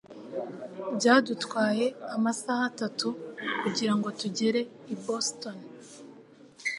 Byadutwaye amasaha atatu kugirango tugere i Boston